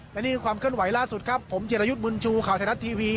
และนี่คือความเคลื่อนไหวล่าสุดครับผมจิรยุทธ์บุญชูข่าวไทยรัฐทีวี